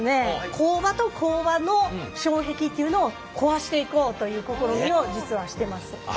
工場と工場の障壁っていうのを壊していこうという試みを実はしてます。